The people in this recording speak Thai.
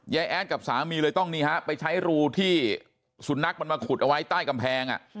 แอดกับสามีเลยต้องนี่ฮะไปใช้รูที่สุนัขมันมาขุดเอาไว้ใต้กำแพง